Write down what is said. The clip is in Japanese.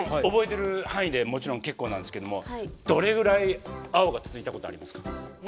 覚えてる範囲でもちろん結構なんですけどもどれぐらい青が続いたことありますか？